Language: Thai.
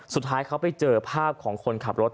สุดท้ายเขาไปเจอภาพของคนขับรถ